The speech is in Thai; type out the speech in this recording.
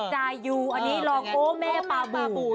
จายูอันนี้รองโอ้แม่ปาบู